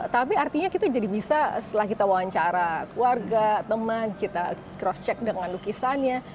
tapi artinya kita jadi bisa setelah kita wawancara keluarga teman kita cross check dengan lukisannya